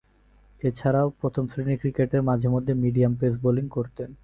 এছাড়াও প্রথম-শ্রেণীর ক্রিকেটে মাঝে-মধ্যে মিডিয়াম পেস বোলিং করতেন।